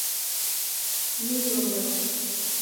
Mi ng'o kaa?